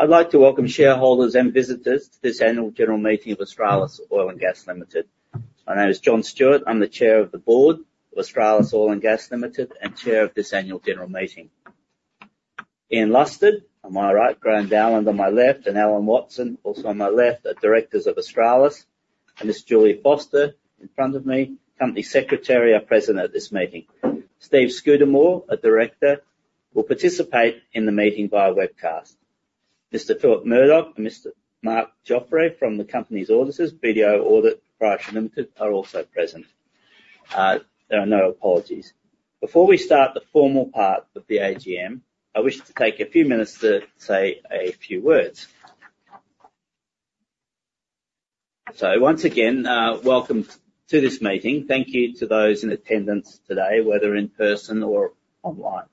I'd like to welcome shareholders and visitors to this Annual General Meeting of Australis Oil & Gas Limited. My name is Jon Stewart. I'm the chair of the board of Australis Oil & Gas Limited and chair of this Annual General Meeting. Ian Lusted on my right, Graham Dowland on my left, and Alan Watson also on my left, are directors of Australis. Ms. Julie Foster in front of me, company secretary are present at this meeting. Steve Scudamore, a director, will participate in the meeting via webcast. Mr. Phillip Murdoch and Mr. Mark Jeffery from the company's auditors, BDO Audit (WA) Pty Ltd, are also present. There are no apologies. Before we start the formal part of the AGM, I wish to take a few minutes to say a few words. So once again, welcome to this meeting. Thank you to those in attendance today, whether in person or online.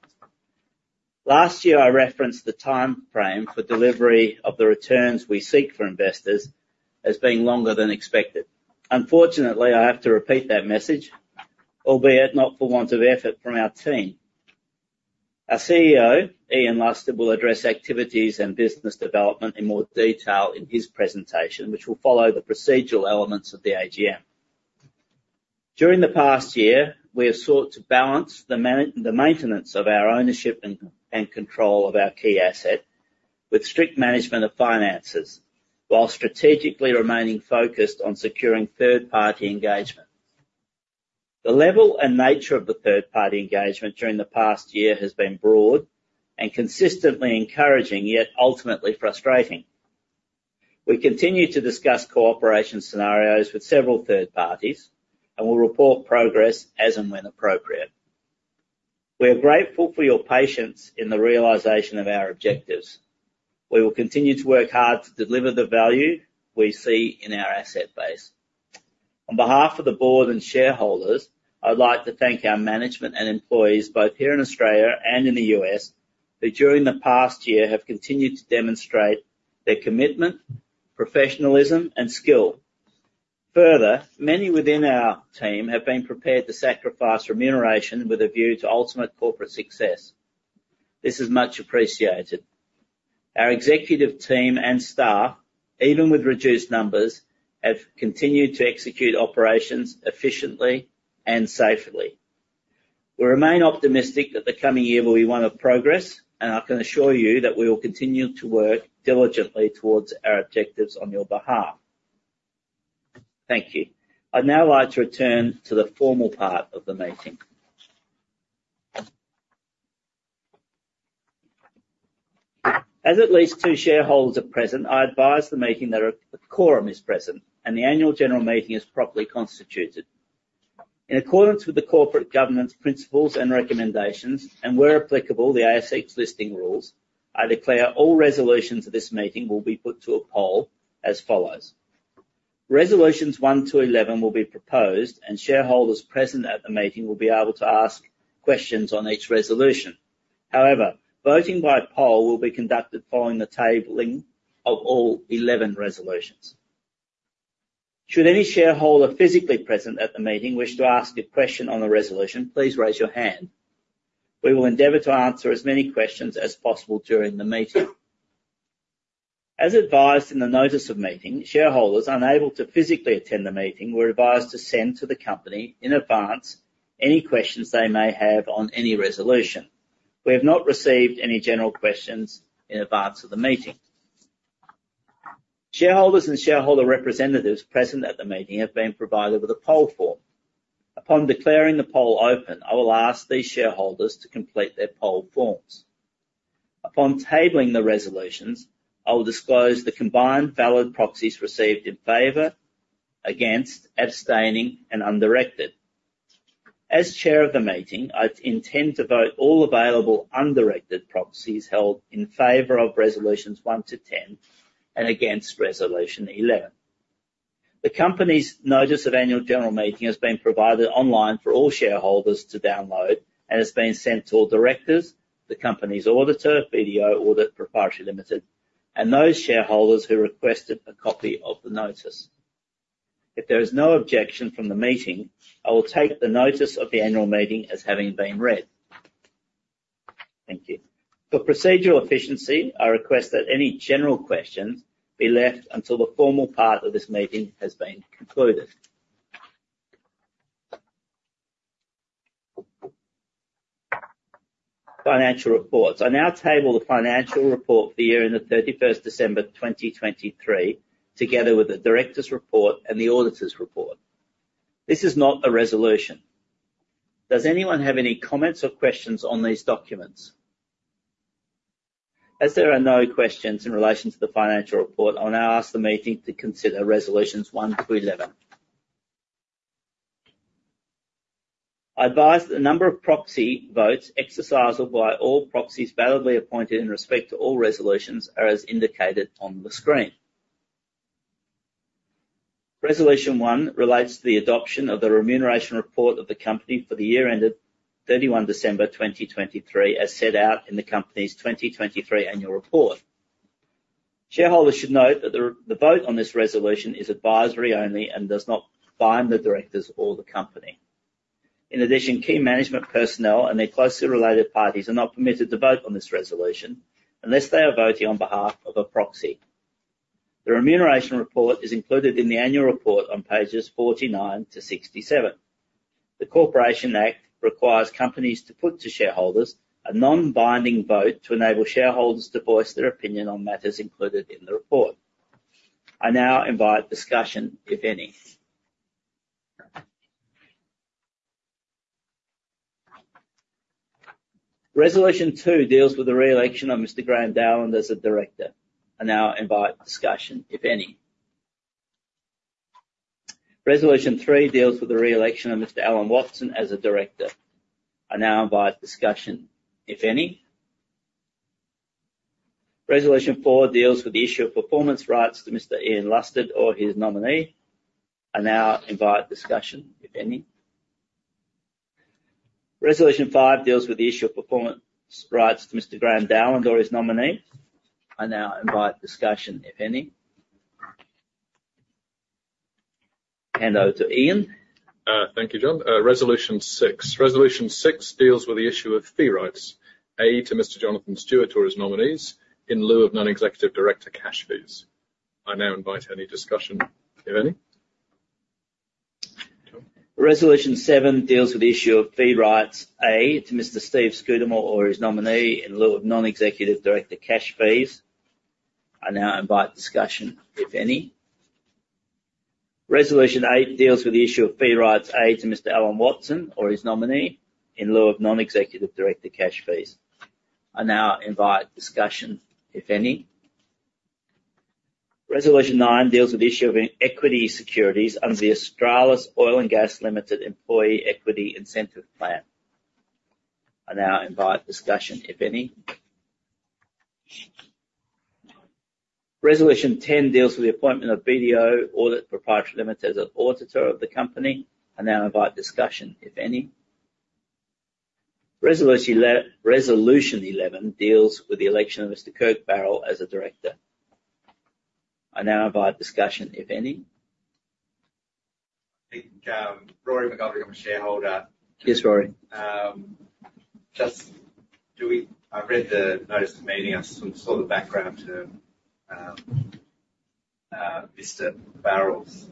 Last year, I referenced the timeframe for delivery of the returns we seek for investors as being longer than expected. Unfortunately, I have to repeat that message, albeit not for want of effort from our team. Our CEO, Ian Lusted, will address activities and business development in more detail in his presentation, which will follow the procedural elements of the AGM. During the past year, we have sought to balance the maintenance of our ownership and control of our key asset with strict management of finances while strategically remaining focused on securing third-party engagement. The level and nature of the third-party engagement during the past year has been broad and consistently encouraging, yet ultimately frustrating. We continue to discuss cooperation scenarios with several third parties and will report progress as and when appropriate. We are grateful for your patience in the realization of our objectives. We will continue to work hard to deliver the value we see in our asset base. On behalf of the board and shareholders, I'd like to thank our management and employees both here in Australia and in the U.S. who during the past year have continued to demonstrate their commitment, professionalism, and skill. Further, many within our team have been prepared to sacrifice remuneration with a view to ultimate corporate success. This is much appreciated. Our executive team and staff, even with reduced numbers, have continued to execute operations efficiently and safely. We remain optimistic that the coming year will be one of progress, and I can assure you that we will continue to work diligently towards our objectives on your behalf. Thank you. I'd now like to return to the formal part of the meeting. As at least two shareholders are present, I advise the meeting that a quorum is present and the Annual General Meeting is properly constituted. In accordance with the corporate governance principles and recommendations, and where applicable, the ASX Listing Rules, I declare all resolutions of this meeting will be put to a poll as follows. Resolutions 1-11 will be proposed, and shareholders present at the meeting will be able to ask questions on each resolution. However, voting by poll will be conducted following the tabling of all 11 resolutions. Should any shareholder physically present at the meeting wish to ask a question on a resolution, please raise your hand. We will endeavor to answer as many questions as possible during the meeting. As advised in the notice of meeting, shareholders unable to physically attend the meeting were advised to send to the company in advance any questions they may have on any resolution. We have not received any general questions in advance of the meeting. Shareholders and shareholder representatives present at the meeting have been provided with a poll form. Upon declaring the poll open, I will ask these shareholders to complete their poll forms. Upon tabling the resolutions, I will disclose the combined valid proxies received in favor, against, abstaining, and undirected. As chair of the meeting, I intend to vote all available undirected proxies held in favor of resolutions 1-10 and against resolution 11. The company's notice of Annual General Meeting has been provided online for all shareholders to download and has been sent to all directors, the company's auditor, BDO Audit (WA) Pty Ltd, and those shareholders who requested a copy of the notice. If there is no objection from the meeting, I will take the notice of the annual meeting as having been read. Thank you. For procedural efficiency, I request that any general questions be left until the formal part of this meeting has been concluded. Financial reports. I now table the Financial Report for the year on the 31st December 2023 together with the Directors' Report and the Auditor's Report. This is not a resolution. Does anyone have any comments or questions on these documents? As there are no questions in relation to the Financial Report, I will now ask the meeting to consider resolutions 1-11. I advise that the number of proxy votes exercised by all proxies validly appointed in respect to all resolutions are as indicated on the screen. Resolution 1 relates to the adoption of the Remuneration Report of the company for the year ended 31 December 2023 as set out in the company's 2023 Annual Report. Shareholders should note that the vote on this resolution is advisory only and does not bind the directors or the company. In addition, key management personnel and their closely related parties are not permitted to vote on this resolution unless they are voting on behalf of a proxy. The Remuneration Report is included in the Annual Report on pages 49-67. The Corporations Act requires companies to put to shareholders a non-binding vote to enable shareholders to voice their opinion on matters included in the report. I now invite discussion, if any. Resolution 2 deals with the re-election of Mr. Graham Dowland as a director. I now invite discussion, if any. Resolution 3 deals with the re-election of Mr. Alan Watson as a director. I now invite discussion, if any. Resolution 4 deals with the issue of Performance Rights to Mr. Ian Lusted or his nominee. I now invite discussion, if any. Resolution 5 deals with the issue of Performance Rights to Mr. Graham Dowland or his nominee. I now invite discussion, if any. Hand over to Ian. Thank you, Jon. Resolution 6. Resolution 6 deals with the issue of Fee Rights A, to Mr. Jonathan Stewart or his nominees in lieu of non-executive director cash fees. I now invite any discussion, if any. Resolution 7 deals with the issue of Fee Rights to Mr. Steve Scudamore or his nominee in lieu of non-executive director cash fees. I now invite discussion, if any. Resolution 8 deals with the issue of Fee Rights to Mr. Alan Watson or his nominee in lieu of non-executive director cash fees. I now invite discussion, if any. Resolution 9 deals with the issue of equity securities under the Australis Oil & Gas Limited Employee Equity Incentive Plan. I now invite discussion, if any. Resolution 10 deals with the appointment of BDO Audit (WA) Pty Ltd as an auditor of the company. I now invite discussion, if any. Resolution 11 deals with the election of Mr. Kirk Barrell as a director. I now invite discussion, if any. I think Rory McGoldrick, I'm a shareholder. Yes, Rory. I read the notice of meeting. I sort of saw the background to Mr. Barrell's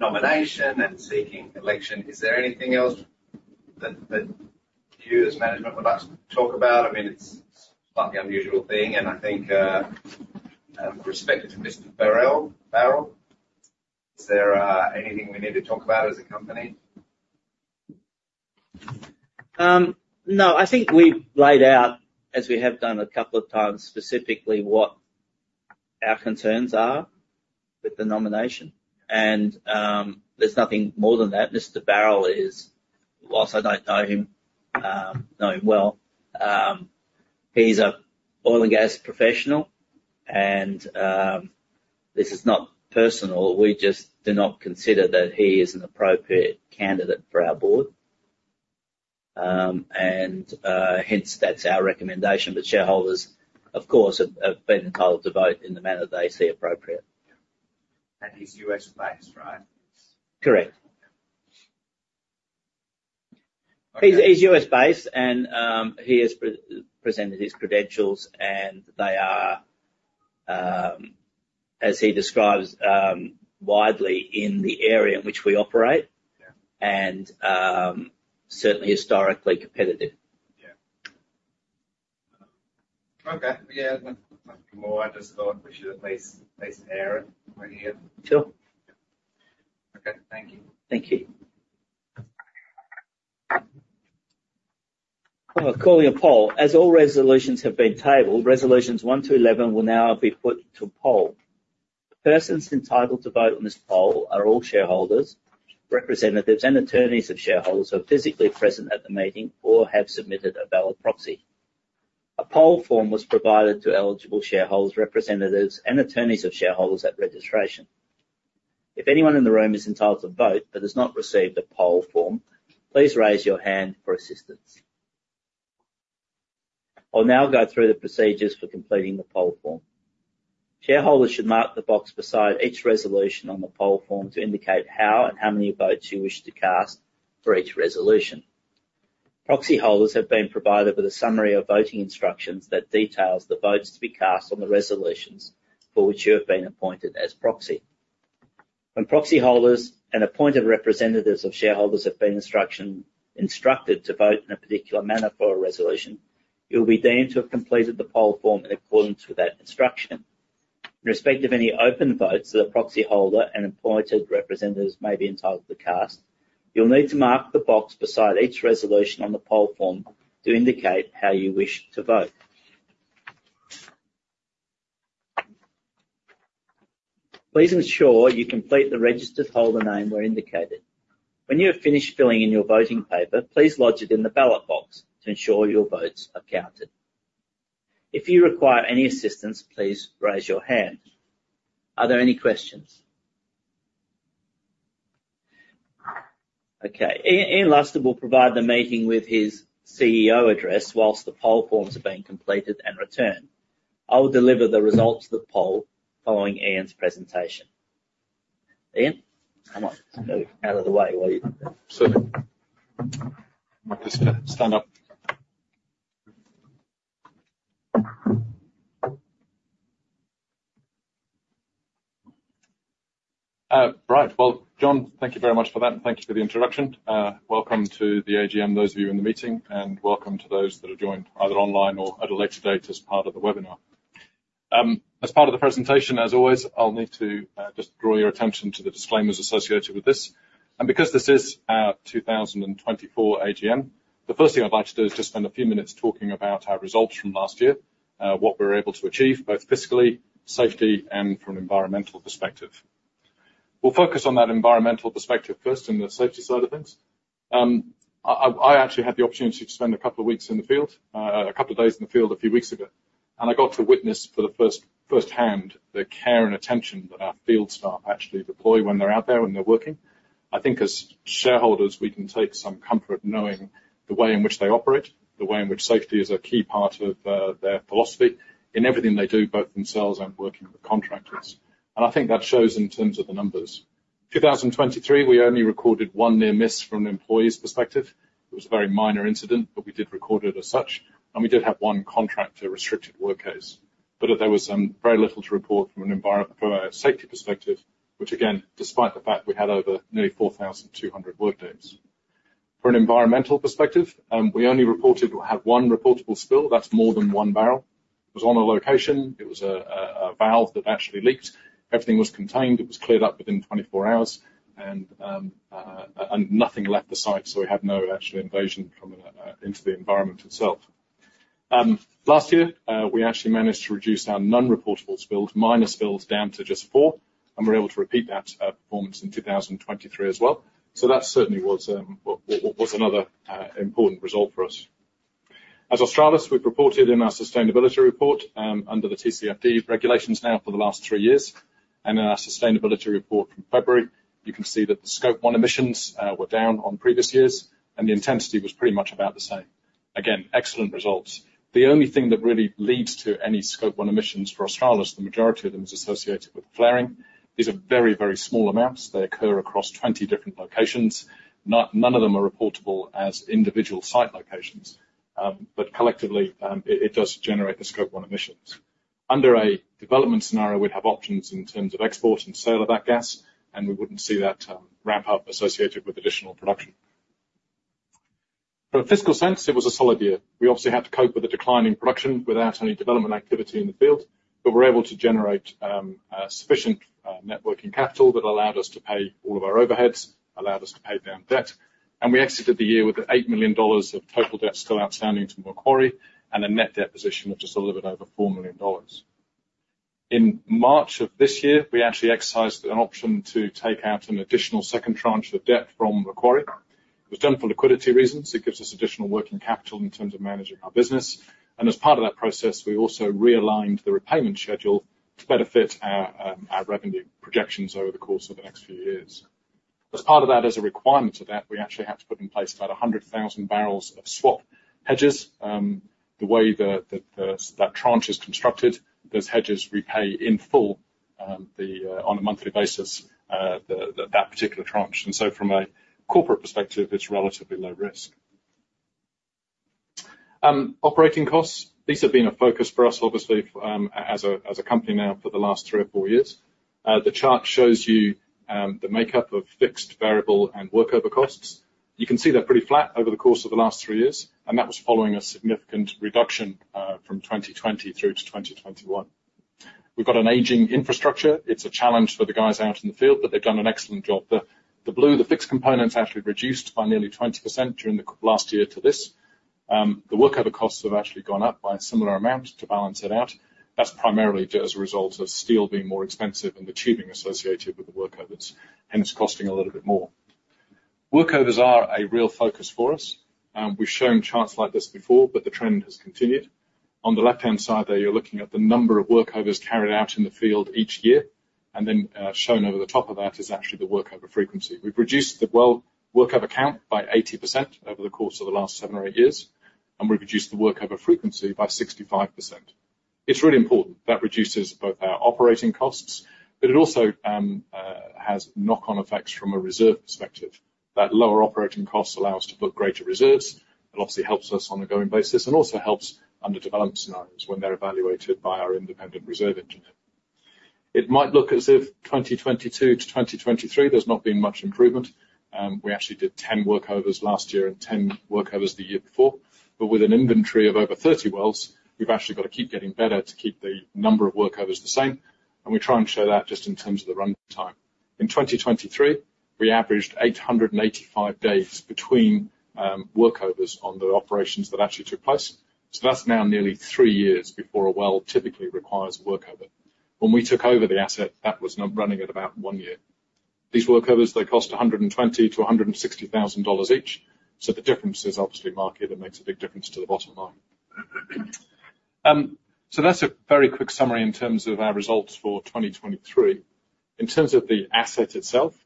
nomination and seeking election. Is there anything else that you as management would like to talk about? I mean, it's slightly unusual thing, and I think with respect to Mr. Barrell, is there anything we need to talk about as a company? No. I think we've laid out, as we have done a couple of times, specifically what our concerns are with the nomination. And there's nothing more than that. Mr. Barrell is, whilst I don't know him well, he's an oil and gas professional, and this is not personal. We just do not consider that he is an appropriate candidate for our board. And hence, that's our recommendation. But shareholders, of course, have been entitled to vote in the manner they see appropriate. He's U.S.-based, right? Correct. He's U.S.-based, and he has presented his credentials, and they are, as he describes, widely in the area in which we operate and certainly historically competitive. Okay. Yeah. Mr. Chair, I just thought I wish you'd at least air it when you're. Sure. Okay. Thank you. Thank you. Calling a poll. As all resolutions have been tabled, resolutions 1-11 will now be put to poll. The persons entitled to vote on this poll are all shareholders, representatives, and attorneys of shareholders who are physically present at the meeting or have submitted a valid proxy. A poll form was provided to eligible shareholders, representatives, and attorneys of shareholders at registration. If anyone in the room is entitled to vote but has not received a poll form, please raise your hand for assistance. I'll now go through the procedures for completing the poll form. Shareholders should mark the box beside each resolution on the poll form to indicate how and how many votes you wish to cast for each resolution. Proxy holders have been provided with a summary of voting instructions that details the votes to be cast on the resolutions for which you have been appointed as proxy. When proxy holders and appointed representatives of shareholders have been instructed to vote in a particular manner for a resolution, you'll be deemed to have completed the poll form in accordance with that instruction. In respect of any open votes that a proxy holder and appointed representatives may be entitled to cast, you'll need to mark the box beside each resolution on the poll form to indicate how you wish to vote. Please ensure you complete the registered holder name where indicated. When you have finished filling in your voting paper, please lodge it in the ballot box to ensure your votes are counted. If you require any assistance, please raise your hand. Are there any questions? Okay. Ian Lusted will provide the meeting with his CEO address while the poll forms are being completed and returned. I will deliver the results of the poll following Ian's presentation. Ian, come on. Move out of the way while you. Absolutely. I'm going to stand up. Right. Well, Jon, thank you very much for that, and thank you for the introduction. Welcome to the AGM, those of you in the meeting, and welcome to those that have joined either online or at a later date as part of the webinar. As part of the presentation, as always, I'll need to just draw your attention to the disclaimers associated with this. Because this is our 2024 AGM, the first thing I'd like to do is just spend a few minutes talking about our results from last year, what we were able to achieve both fiscally, safety, and from an environmental perspective. We'll focus on that environmental perspective first in the safety side of things. I actually had the opportunity to spend a couple of weeks in the field, a couple of days in the field a few weeks ago, and I got to witness firsthand the care and attention that our field staff actually deploy when they're out there when they're working. I think as shareholders, we can take some comfort knowing the way in which they operate, the way in which safety is a key part of their philosophy in everything they do, both themselves and working with contractors. I think that shows in terms of the numbers. 2023, we only recorded one near miss from an employee's perspective. It was a very minor incident, but we did record it as such. We did have one contractor-restricted work case. But there was very little to report from a safety perspective, which again, despite the fact we had over nearly 4,200 workdays. From an environmental perspective, we only reported we had one reportable spill. That's more than one barrel. It was on a location. It was a valve that actually leaked. Everything was contained. It was cleared up within 24 hours, and nothing left the site. So we had no actual invasion into the environment itself. Last year, we actually managed to reduce our non-reportable spills, minor spills, down to just four. We're able to repeat that performance in 2023 as well. That certainly was another important result for us. As Australis, we've reported in our sustainability report under the TCFD regulations now for the last three years. In our sustainability report from February, you can see that the Scope 1 emissions were down on previous years, and the intensity was pretty much about the same. Again, excellent results. The only thing that really leads to any Scope 1 emissions for Australis, the majority of them is associated with flaring. These are very, very small amounts. They occur across 20 different locations. None of them are reportable as individual site locations. But collectively, it does generate the Scope 1 emissions. Under a development scenario, we'd have options in terms of export and sale of that gas, and we wouldn't see that ramp up associated with additional production. From a fiscal sense, it was a solid year. We obviously had to cope with the declining production without any development activity in the field. But we were able to generate sufficient working capital that allowed us to pay all of our overheads, allowed us to pay down debt. We exited the year with 8 million dollars of total debt still outstanding to Macquarie and a net debt position of just a little bit over 4 million dollars. In March of this year, we actually exercised an option to take out an additional second tranche of debt from Macquarie. It was done for liquidity reasons. It gives us additional working capital in terms of managing our business. And as part of that process, we also realigned the repayment schedule to better fit our revenue projections over the course of the next few years. As part of that, as a requirement of that, we actually had to put in place about 100,000 barrels of swap hedges. The way that that tranche is constructed, those hedges repay in full on a monthly basis that particular tranche. And so from a corporate perspective, it's relatively low risk. Operating costs, these have been a focus for us, obviously, as a company now for the last three or four years. The chart shows you the makeup of fixed, variable, and workover costs. You can see they're pretty flat over the course of the last three years. That was following a significant reduction from 2020 through to 2021. We've got an aging infrastructure. It's a challenge for the guys out in the field, but they've done an excellent job. The blue, the fixed components, actually reduced by nearly 20% during the last year to this. The workover costs have actually gone up by a similar amount to balance it out. That's primarily as a result of steel being more expensive and the tubing associated with the workovers. Hence, costing a little bit more. Workovers are a real focus for us. We've shown charts like this before, but the trend has continued. On the left-hand side there, you're looking at the number of workovers carried out in the field each year. Then shown over the top of that is actually the workover frequency. We've reduced the workover count by 80% over the course of the last seven or eight years. We've reduced the workover frequency by 65%. It's really important. That reduces both our operating costs, but it also has knock-on effects from a reserve perspective. That lower operating cost allows us to put greater reserves. It obviously helps us on a going basis and also helps under development scenarios when they're evaluated by our independent reserve engineer. It might look as if 2022 to 2023, there's not been much improvement. We actually did 10 workovers last year and 10 workovers the year before. But with an inventory of over 30 wells, we've actually got to keep getting better to keep the number of workovers the same. And we try and show that just in terms of the runtime. In 2023, we averaged 885 days between workovers on the operations that actually took place. So that's now nearly three years before a well typically requires a workover. When we took over the asset, that was running at about one year. These workovers, they cost 120,000-160,000 dollars each. So the difference is obviously marked. It makes a big difference to the bottom line. So that's a very quick summary in terms of our results for 2023. In terms of the asset itself,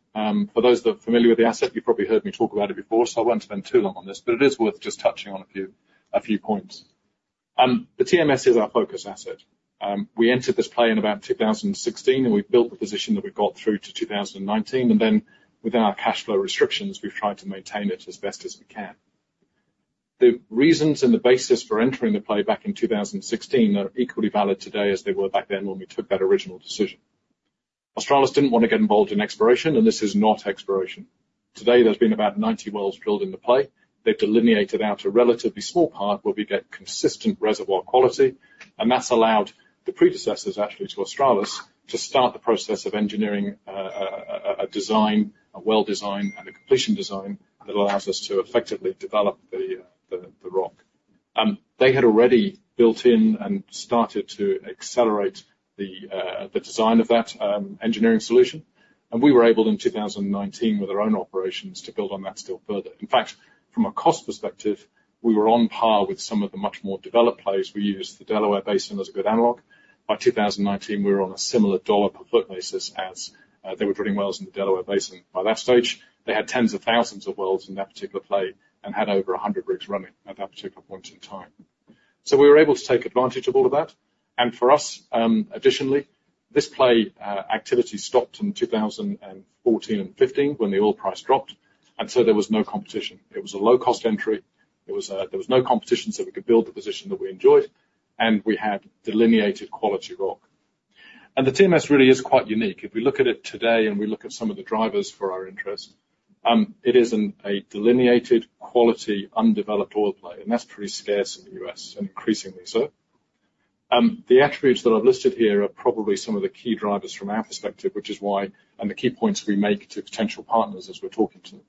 for those that are familiar with the asset, you've probably heard me talk about it before. So I won't spend too long on this. It is worth just touching on a few points. The TMS is our focus asset. We entered this play in about 2016, and we built the position that we got through to 2019. Then within our cash flow restrictions, we've tried to maintain it as best as we can. The reasons and the basis for entering the play back in 2016 are equally valid today as they were back then when we took that original decision. Australis didn't want to get involved in exploration, and this is not exploration. Today, there's been about 90 wells drilled in the play. They've delineated out a relatively small part where we get consistent reservoir quality. That's allowed the predecessors, actually, to Australis to start the process of engineering a design, a well design, and a completion design that allows us to effectively develop the rock. They had already built in and started to accelerate the design of that engineering solution. We were able, in 2019, with our own operations, to build on that still further. In fact, from a cost perspective, we were on par with some of the much more developed plays. We used the Delaware Basin as a good analog. By 2019, we were on a similar dollar per foot basis as they were drilling wells in the Delaware Basin. By that stage, they had tens of thousands of wells in that particular play and had over 100 rigs running at that particular point in time. We were able to take advantage of all of that. For us, additionally, this play activity stopped in 2014 and 2015 when the oil price dropped. So there was no competition. It was a low-cost entry. There was no competition so we could build the position that we enjoyed. We had delineated quality rock. The TMS really is quite unique. If we look at it today and we look at some of the drivers for our interest, it is a delineated, quality, undeveloped oil play. That's pretty scarce in the U.S. and increasingly so. The attributes that I've listed here are probably some of the key drivers from our perspective, which is why and the key points we make to potential partners as we're talking to them.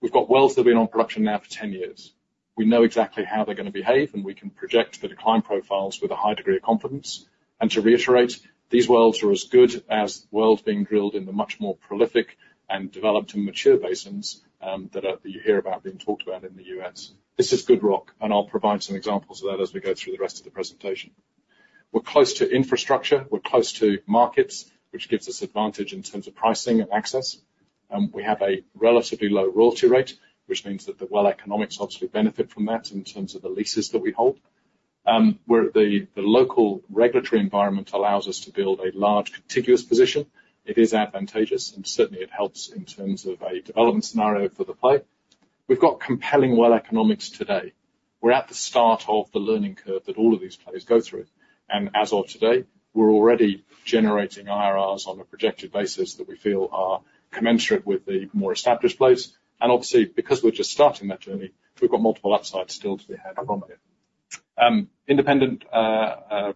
We've got wells that have been on production now for 10 years. We know exactly how they're going to behave. We can project the decline profiles with a high degree of confidence. To reiterate, these wells are as good as wells being drilled in the much more prolific and developed and mature basins that you hear about being talked about in the U.S. This is good rock. I'll provide some examples of that as we go through the rest of the presentation. We're close to infrastructure. We're close to markets, which gives us advantage in terms of pricing and access. We have a relatively low royalty rate, which means that the well economics obviously benefit from that in terms of the leases that we hold. The local regulatory environment allows us to build a large contiguous position. It is advantageous. Certainly, it helps in terms of a development scenario for the play. We've got compelling well economics today. We're at the start of the learning curve that all of these plays go through. As of today, we're already generating IRRs on a projected basis that we feel are commensurate with the more established plays. Obviously, because we're just starting that journey, we've got multiple upsides still to be had from here. Independent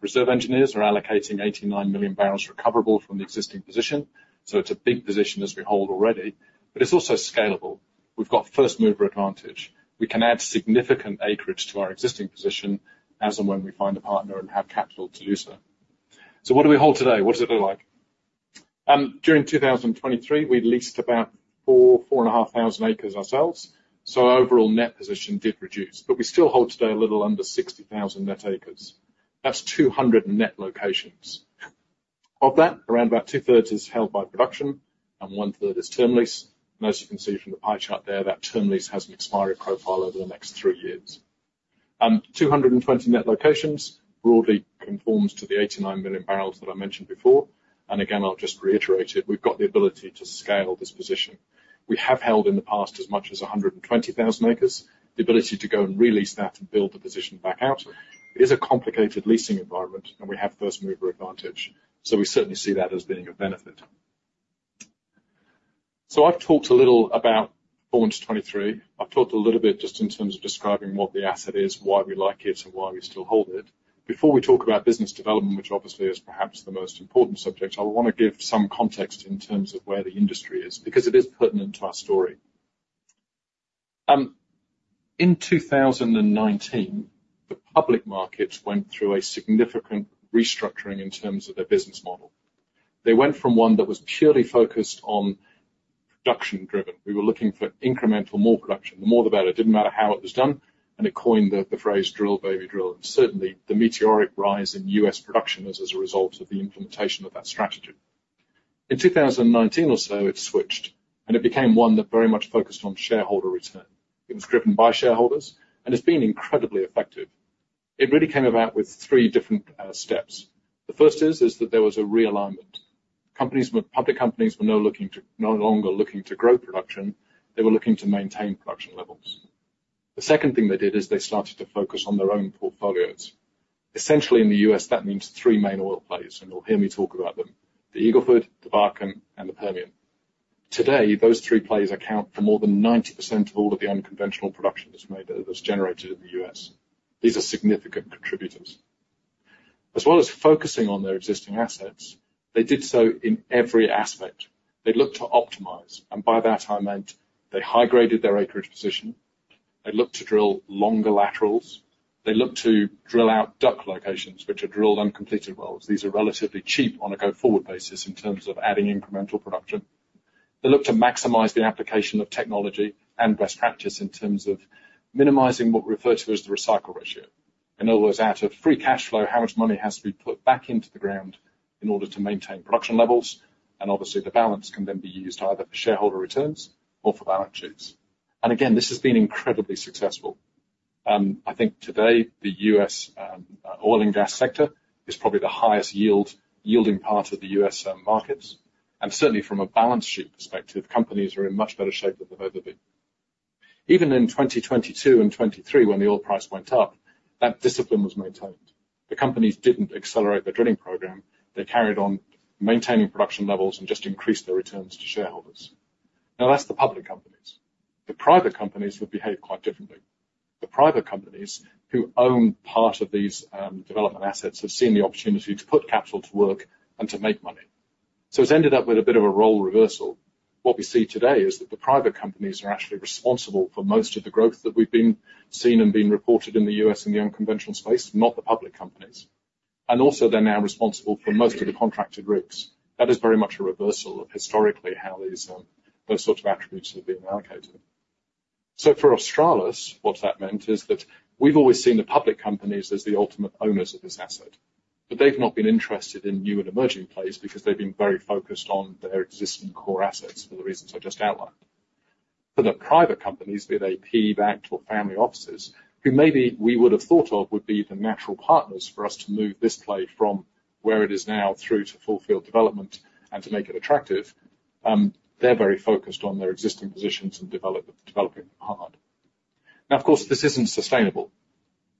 reserve engineers are allocating 89 million barrels recoverable from the existing position. It's a big position as we hold already. But it's also scalable. We've got first mover advantage. We can add significant acreage to our existing position as and when we find a partner and have capital to do so. What do we hold today? What does it look like? During 2023, we leased about 4,000-4,500 acres ourselves. Our overall net position did reduce. But we still hold today a little under 60,000 net acres. That's 200 net locations. Of that, around about two-thirds is held by production, and one-third is term lease. As you can see from the pie chart there, that term lease has an expiry profile over the next three years. 220 net locations broadly conforms to the 89 million barrels that I mentioned before. Again, I'll just reiterate it. We've got the ability to scale this position. We have held in the past as much as 120,000 acres. The ability to go and release that and build the position back out is a complicated leasing environment. We have first mover advantage. We certainly see that as being a benefit. I've talked a little about performance 2023. I've talked a little bit just in terms of describing what the asset is, why we like it, and why we still hold it. Before we talk about business development, which obviously is perhaps the most important subject, I want to give some context in terms of where the industry is because it is pertinent to our story. In 2019, the public markets went through a significant restructuring in terms of their business model. They went from one that was purely focused on production-driven. We were looking for incremental more production. The more the better. It didn't matter how it was done. It coined the phrase "drill, baby, drill." Certainly, the meteoric rise in U.S. production is as a result of the implementation of that strategy. In 2019 or so, it switched. It became one that very much focused on shareholder return. It was driven by shareholders. It's been incredibly effective. It really came about with three different steps. The first is that there was a realignment. Public companies were no longer looking to grow production. They were looking to maintain production levels. The second thing they did is they started to focus on their own portfolios. Essentially, in the U.S., that means three main oil plays. You'll hear me talk about them: the Eagle Ford, the Bakken, and the Permian. Today, those three plays account for more than 90% of all of the unconventional production that's generated in the U.S. These are significant contributors. As well as focusing on their existing assets, they did so in every aspect. They looked to optimize. By that, I meant they high-graded their acreage position. They looked to drill longer laterals. They looked to drill out DUC locations, which are drilled uncompleted wells. These are relatively cheap on a go-forward basis in terms of adding incremental production. They looked to maximize the application of technology and best practice in terms of minimizing what we refer to as the recycle ratio. In other words, out of free cash flow, how much money has to be put back into the ground in order to maintain production levels? And obviously, the balance can then be used either for shareholder returns or for balance sheets. And again, this has been incredibly successful. I think today, the U.S. oil and gas sector is probably the highest-yielding part of the U.S. markets. And certainly, from a balance sheet perspective, companies are in much better shape than they've ever been. Even in 2022 and 2023, when the oil price went up, that discipline was maintained. The companies didn't accelerate their drilling program. They carried on maintaining production levels and just increased their returns to shareholders. Now, that's the public companies. The private companies would behave quite differently. The private companies who own part of these development assets have seen the opportunity to put capital to work and to make money. It's ended up with a bit of a role reversal. What we see today is that the private companies are actually responsible for most of the growth that we've been seeing and being reported in the U.S. in the unconventional space, not the public companies. Also, they're now responsible for most of the contracted rigs. That is very much a reversal of historically how those sorts of attributes have been allocated. So for Australis, what that meant is that we've always seen the public companies as the ultimate owners of this asset. They've not been interested in new and emerging plays because they've been very focused on their existing core assets for the reasons I just outlined. For the private companies, be they PE-backed or family offices, who maybe we would have thought of would be the natural partners for us to move this play from where it is now through to fulfill development and to make it attractive, they're very focused on their existing positions and developing hard. Now, of course, this isn't sustainable.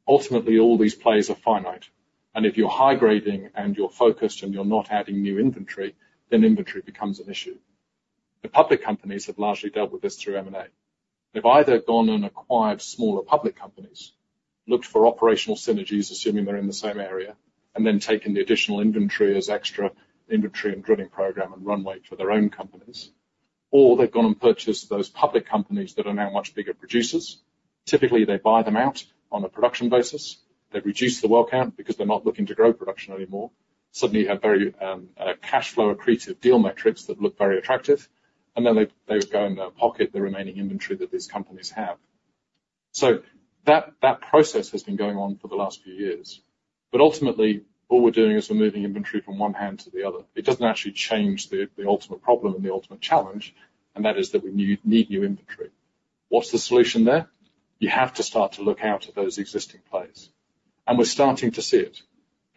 Ultimately, all these plays are finite. If you're high-grading and you're focused and you're not adding new inventory, then inventory becomes an issue. The public companies have largely dealt with this through M&A. They've either gone and acquired smaller public companies, looked for operational synergies assuming they're in the same area, and then taken the additional inventory as extra inventory and drilling program and runway for their own companies. Or they've gone and purchased those public companies that are now much bigger producers. Typically, they buy them out on a production basis. They reduce the well count because they're not looking to grow production anymore. Suddenly, you have very cash flow accretive deal metrics that look very attractive. And then they would go and pocket the remaining inventory that these companies have. So that process has been going on for the last few years. But ultimately, all we're doing is we're moving inventory from one hand to the other. It doesn't actually change the ultimate problem and the ultimate challenge. And that is that we need new inventory. What's the solution there? You have to start to look out at those existing plays. And we're starting to see it.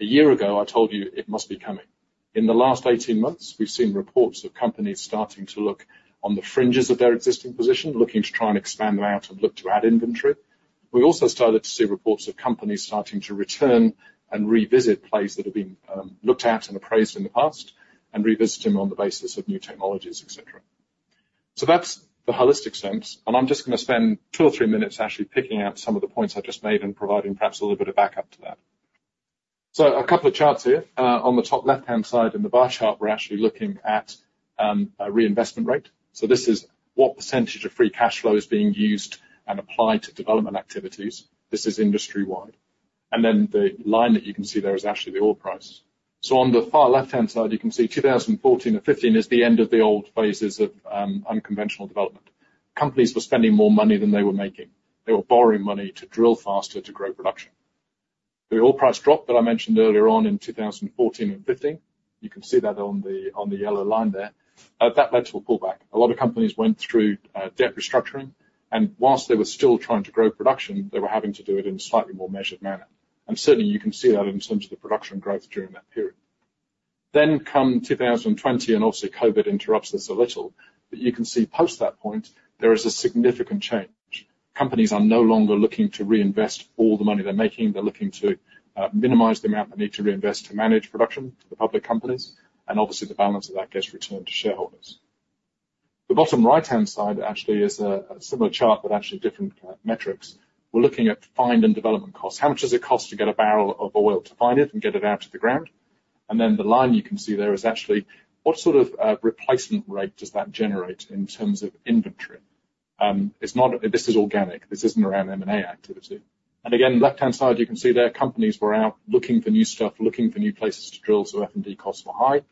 A year ago, I told you it must be coming. In the last 18 months, we've seen reports of companies starting to look on the fringes of their existing position, looking to try and expand them out and look to add inventory. We also started to see reports of companies starting to return and revisit plays that have been looked at and appraised in the past and revisit them on the basis of new technologies, et cetera. So that's the holistic sense. And I'm just going to spend two or three minutes actually picking out some of the points I just made and providing perhaps a little bit of backup to that. So a couple of charts here. On the top left-hand side in the bar chart, we're actually looking at a reinvestment rate. So this is what percentage of free cash flow is being used and applied to development activities. This is industry-wide. And then the line that you can see there is actually the oil price. So on the far left-hand side, you can see 2014 and 2015 is the end of the old phases of unconventional development. Companies were spending more money than they were making. They were borrowing money to drill faster to grow production. The oil price drop that I mentioned earlier on in 2014 and 2015, you can see that on the yellow line there. That led to a pullback. A lot of companies went through debt restructuring. And whilst they were still trying to grow production, they were having to do it in a slightly more measured manner. And certainly, you can see that in terms of the production growth during that period. Then come 2020. And obviously, COVID interrupts this a little. But you can see post that point, there is a significant change. Companies are no longer looking to reinvest all the money they're making. They're looking to minimize the amount they need to reinvest to manage production for the public companies. And obviously, the balance of that gets returned to shareholders. The bottom right-hand side actually is a similar chart but actually different metrics. We're looking at finding and development costs. How much does it cost to get a barrel of oil to find it and get it out of the ground? And then the line you can see there is actually what sort of replacement rate does that generate in terms of inventory? This is organic. This isn't around M&A activity. And again, left-hand side, you can see there companies were out looking for new stuff, looking for new places to drill. So F&D costs were high.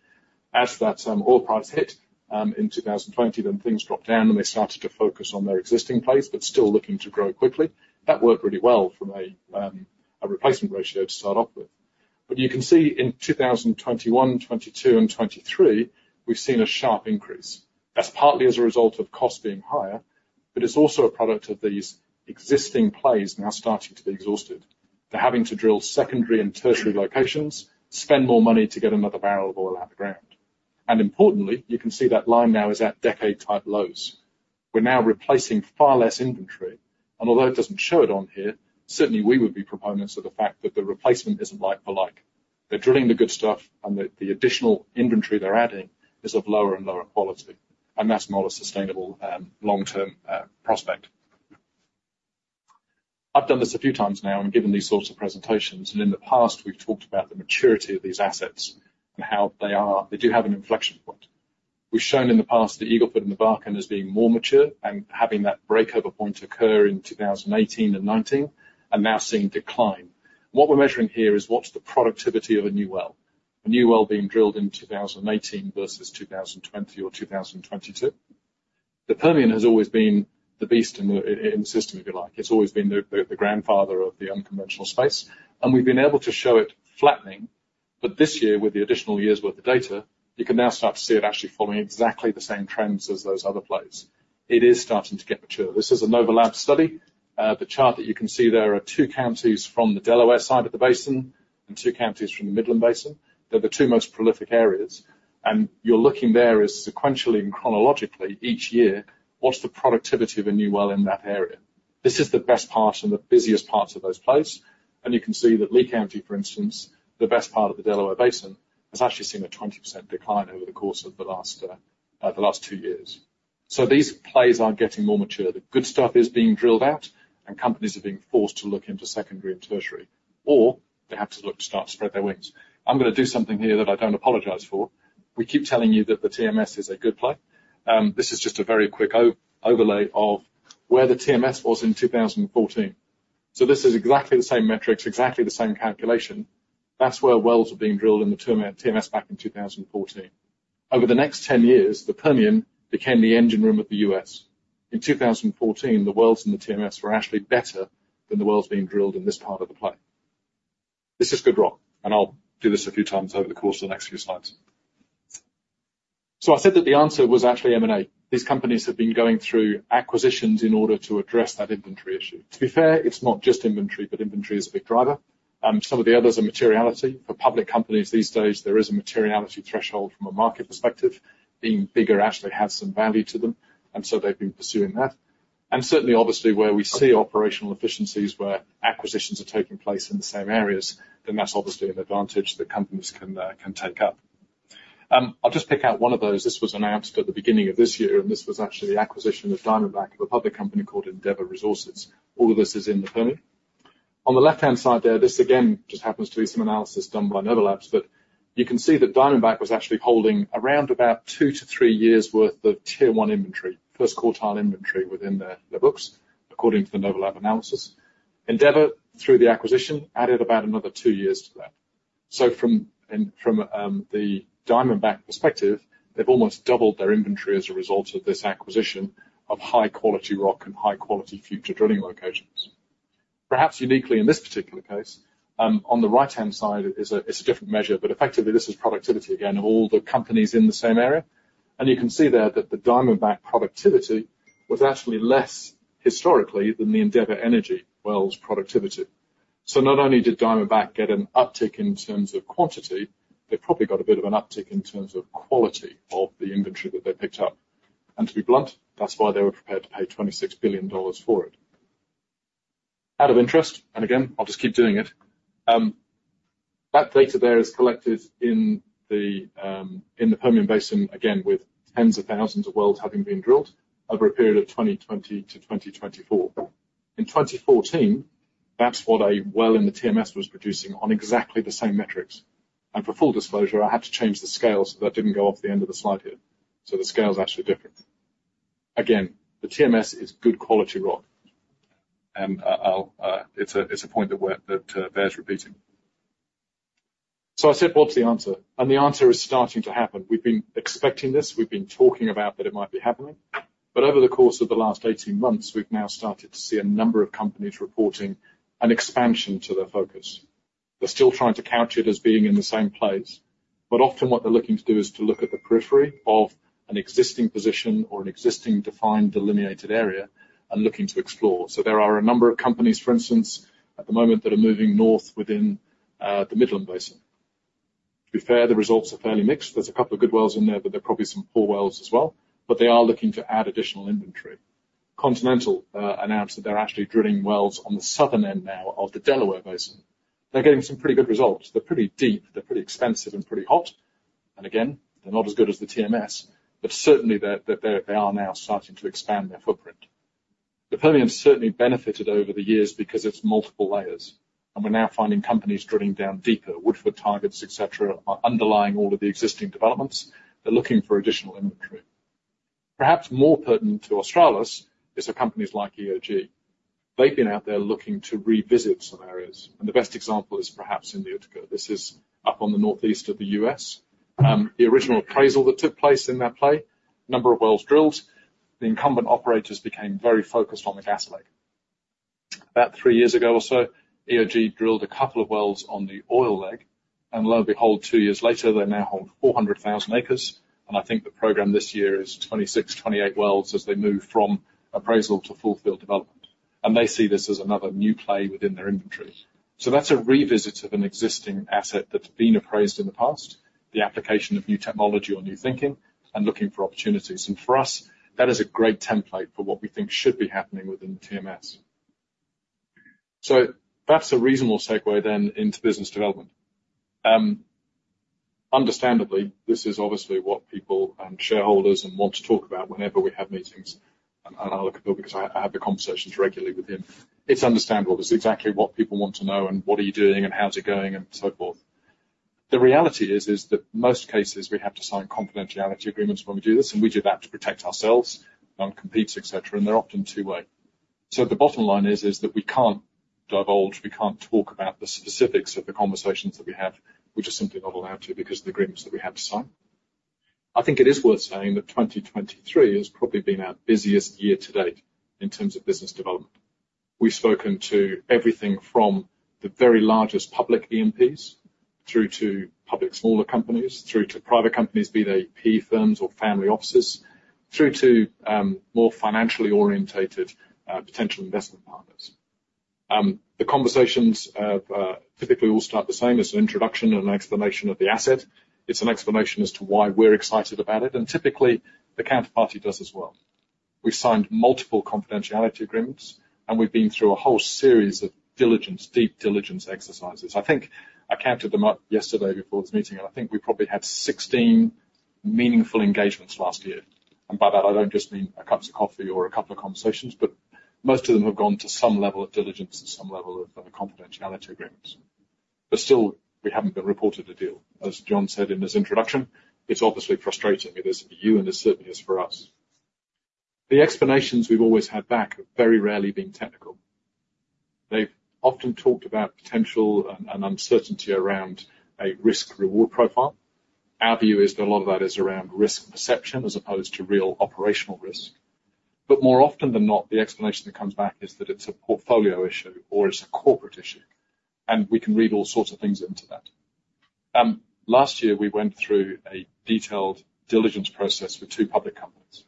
As that oil price hit in 2020, then things dropped down. And they started to focus on their existing plays but still looking to grow quickly. That worked really well from a replacement ratio to start off with. But you can see in 2021, 2022, and 2023, we've seen a sharp increase. That's partly as a result of costs being higher. But it's also a product of these existing plays now starting to be exhausted. They're having to drill secondary and tertiary locations, spend more money to get another barrel of oil out of the ground. And importantly, you can see that line now is at decade-type lows. We're now replacing far less inventory. And although it doesn't show it on here, certainly, we would be proponents of the fact that the replacement isn't like-for-like. They're drilling the good stuff. And the additional inventory they're adding is of lower and lower quality. And that's not a sustainable long-term prospect. I've done this a few times now and given these sorts of presentations. In the past, we've talked about the maturity of these assets and how they do have an inflection point. We've shown in the past the Eagle Ford and the Bakken as being more mature and having that breakover point occur in 2018 and 2019 and now seeing decline. What we're measuring here is what's the productivity of a new well, a new well being drilled in 2018 versus 2020 or 2022? The Permian has always been the beast in the system, if you like. It's always been the grandfather of the unconventional space. We've been able to show it flattening. But this year, with the additional years' worth of data, you can now start to see it actually following exactly the same trends as those other plays. It is starting to get mature. This is a Novi Labs study. The chart that you can see there are two counties from the Delaware side of the basin and two counties from the Midland Basin. They're the two most prolific areas. And you're looking there is sequentially and chronologically each year, what's the productivity of a new well in that area? This is the best part and the busiest parts of those plays. And you can see that Lea County, for instance, the best part of the Delaware Basin, has actually seen a 20% decline over the course of the last two years. So these plays are getting more mature. The good stuff is being drilled out. And companies are being forced to look into secondary and tertiary. Or they have to look to start to spread their wings. I'm going to do something here that I don't apologize for. We keep telling you that the TMS is a good play. This is just a very quick overlay of where the TMS was in 2014. So this is exactly the same metrics, exactly the same calculation. That's where wells were being drilled in the TMS back in 2014. Over the next 10 years, the Permian became the engine room of the U.S. In 2014, the wells in the TMS were actually better than the wells being drilled in this part of the play. This is good rock. And I'll do this a few times over the course of the next few slides. So I said that the answer was actually M&A. These companies have been going through acquisitions in order to address that inventory issue. To be fair, it's not just inventory. But inventory is a big driver. Some of the others are materiality. For public companies these days, there is a materiality threshold from a market perspective. Being bigger actually has some value to them. So they've been pursuing that. And certainly, obviously, where we see operational efficiencies where acquisitions are taking place in the same areas, then that's obviously an advantage that companies can take up. I'll just pick out one of those. This was announced at the beginning of this year. And this was actually the acquisition of Diamondback of a public company called Endeavor Resources. All of this is in the Permian. On the left-hand side there, this again just happens to be some analysis done by Novi Labs. But you can see that Diamondback was actually holding around about two to three years' worth of Tier 1 inventory, first quartile inventory within their books, according to the Novi Labs analysis. Endeavor, through the acquisition, added about another two years to that. So from the Diamondback perspective, they've almost doubled their inventory as a result of this acquisition of high-quality rock and high-quality future drilling locations. Perhaps uniquely in this particular case, on the right-hand side, it's a different measure. But effectively, this is productivity again of all the companies in the same area. And you can see there that the Diamondback productivity was actually less historically than the Endeavor Energy wells' productivity. So not only did Diamondback get an uptick in terms of quantity, they probably got a bit of an uptick in terms of quality of the inventory that they picked up. And to be blunt, that's why they were prepared to pay 26 billion dollars for it. Out of interest and again, I'll just keep doing it. That data there is collected in the Permian Basin again with tens of thousands of wells having been drilled over a period of 2020 to 2024. In 2014, that's what a well in the TMS was producing on exactly the same metrics. And for full disclosure, I had to change the scale so that didn't go off the end of the slide here. So the scale's actually different. Again, the TMS is good quality rock. And it's a point that bears repeating. So I said, what's the answer? And the answer is starting to happen. We've been expecting this. We've been talking about that it might be happening. But over the course of the last 18 months, we've now started to see a number of companies reporting an expansion to their focus. They're still trying to couch it as being in the same plays. But often, what they're looking to do is to look at the periphery of an existing position or an existing defined delineated area and looking to explore. So there are a number of companies, for instance, at the moment that are moving north within the Midland Basin. To be fair, the results are fairly mixed. There's a couple of good wells in there. But there are probably some poor wells as well. But they are looking to add additional inventory. Continental announced that they're actually drilling wells on the southern end now of the Delaware Basin. They're getting some pretty good results. They're pretty deep. They're pretty expensive and pretty hot. And again, they're not as good as the TMS. But certainly, they are now starting to expand their footprint. The Permian has certainly benefited over the years because it's multiple layers. And we're now finding companies drilling down deeper. Woodford targets, et cetera, are underlying all of the existing developments. They're looking for additional inventory. Perhaps more pertinent to Australis is for companies like EOG. They've been out there looking to revisit some areas. The best example is perhaps in the Utica. This is up on the northeast of the U.S. The original appraisal that took place in that play, a number of wells drilled, the incumbent operators became very focused on the gas leg. About three years ago or so, EOG drilled a couple of wells on the oil leg. And lo and behold, two years later, they now hold 400,000 acres. I think the program this year is 26-28 wells as they move from appraisal to full-field development. They see this as another new play within their inventory. So that's a revisit of an existing asset that's been appraised in the past, the application of new technology or new thinking, and looking for opportunities. For us, that is a great template for what we think should be happening within the TMS. That's a reasonable segue then into business development. Understandably, this is obviously what people and shareholders want to talk about whenever we have meetings. I'll look at Bill because I have the conversations regularly with him. It's understandable. It's exactly what people want to know. What are you doing? And how's it going? And so forth. The reality is that in most cases, we have to sign confidentiality agreements when we do this. We do that to protect ourselves from competitors, et cetera. They're often two-way. The bottom line is that we can't divulge. We can't talk about the specifics of the conversations that we have. We're just simply not allowed to because of the agreements that we have to sign. I think it is worth saying that 2023 has probably been our busiest year to date in terms of business development. We've spoken to everything from the very largest public E&Ps through to public smaller companies, through to private companies, be they PE firms or family offices, through to more financially oriented potential investment partners. The conversations typically all start the same. It's an introduction and an explanation of the asset. It's an explanation as to why we're excited about it. Typically, the counterparty does as well. We've signed multiple confidentiality agreements. We've been through a whole series of diligence, deep diligence exercises. I think I counted them up yesterday before this meeting. I think we probably had 16 meaningful engagements last year. By that, I don't just mean a cup of coffee or a couple of conversations. Most of them have gone to some level of diligence and some level of confidentiality agreements. Still, we haven't been reported a deal, as Jon said in his introduction. It's obviously frustrating. It is for you. It certainly is for us. The explanations we've always had back have very rarely been technical. They've often talked about potential and uncertainty around a risk-reward profile. Our view is that a lot of that is around risk perception as opposed to real operational risk. More often than not, the explanation that comes back is that it's a portfolio issue or it's a corporate issue. We can read all sorts of things into that. Last year, we went through a detailed diligence process for two public companies.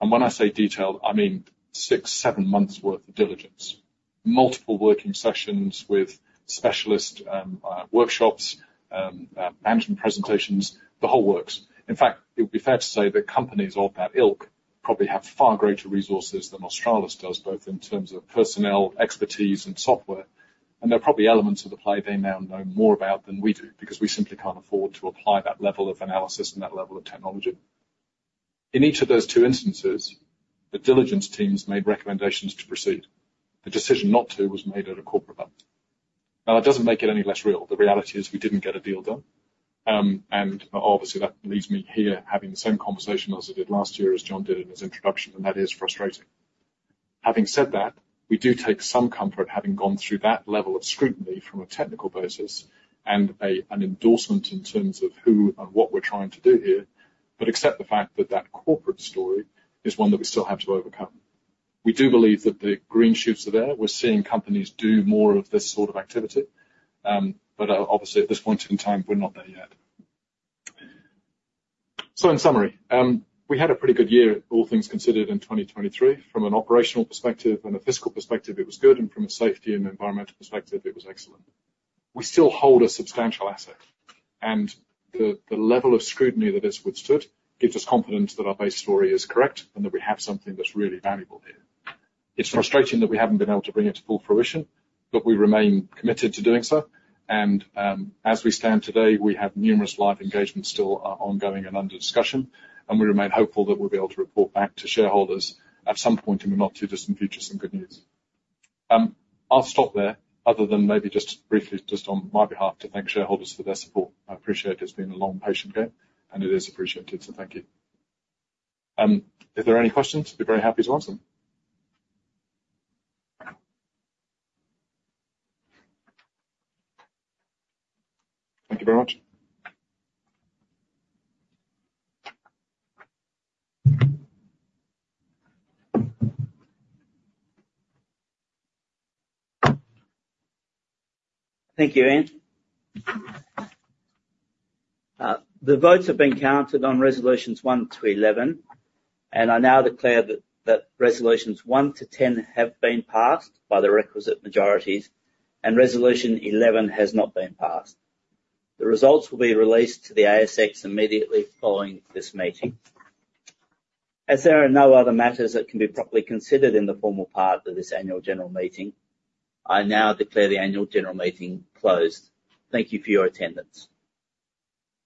And when I say detailed, I mean six to seven months' worth of diligence, multiple working sessions with specialist workshops, management presentations, the whole works. In fact, it would be fair to say that companies of that ilk probably have far greater resources than Australis does both in terms of personnel, expertise, and software. And there are probably elements of the play they now know more about than we do because we simply can't afford to apply that level of analysis and that level of technology. In each of those two instances, the diligence teams made recommendations to proceed. The decision not to was made at a corporate level. Now, that doesn't make it any less real. The reality is we didn't get a deal done. And obviously, that leads me here having the same conversation as I did last year as Jon did in his introduction. And that is frustrating. Having said that, we do take some comfort having gone through that level of scrutiny from a technical basis and an endorsement in terms of who and what we're trying to do here but accept the fact that that corporate story is one that we still have to overcome. We do believe that the green shoots are there. We're seeing companies do more of this sort of activity. But obviously, at this point in time, we're not there yet. So in summary, we had a pretty good year, all things considered, in 2023. From an operational perspective and a fiscal perspective, it was good. And from a safety and environmental perspective, it was excellent. We still hold a substantial asset. And the level of scrutiny that this withstood gives us confidence that our base story is correct and that we have something that's really valuable here. It's frustrating that we haven't been able to bring it to full fruition. But we remain committed to doing so. And as we stand today, we have numerous live engagements still ongoing and under discussion. And we remain hopeful that we'll be able to report back to shareholders at some point in the not-too-distant future some good news. I'll stop there other than maybe just briefly just on my behalf to thank shareholders for their support. I appreciate it. It's been a long, patient game. And it is appreciated. So thank you. If there are any questions, I'd be very happy to answer them. Thank you very much. Thank you, Ian. The votes have been counted on resolutions 1-11. I now declare that resolutions 1-10 have been passed by the requisite majorities. Resolution 11 has not been passed. The results will be released to the ASX immediately following this meeting. As there are no other matters that can be properly considered in the formal part of this Annual General Meeting, I now declare the Annual General Meeting closed. Thank you for your attendance.